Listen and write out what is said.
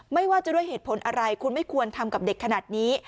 ไม่ว่าจะด้วยเหตุผลอะไรคุณไม่ควรทำกับเด็กขนาดนี้